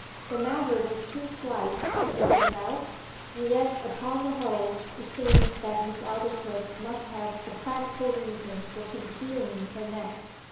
The matter was too slight to reason about, and yet upon the whole it seemed that Miss Aldclyffe must have a practical reason for concealing her neck.